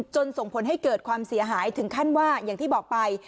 ส่งผลให้เกิดความเสียหายถึงขั้นว่าอย่างที่บอกไป